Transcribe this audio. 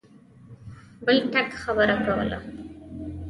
بل ټک خبره کوله.